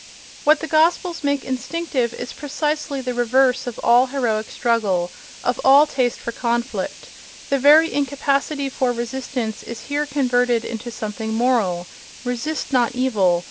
What the Gospels make instinctive is precisely the reverse of all heroic struggle, of all taste for conflict: the very incapacity for resistance is here converted into something moral: ("resist not evil!"